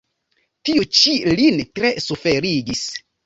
Tio ĉi lin tre suferigis.